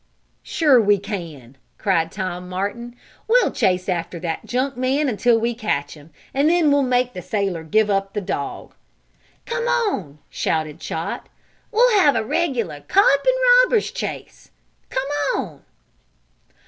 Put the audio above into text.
"Sure we can!" cried Tom Martin. "We'll chase after that junk man until we catch him, and then we'll make the sailor give up the dog!" "Come on!" shouted Chot. "We'll have a regular 'cop and robbers' chase! Come on!"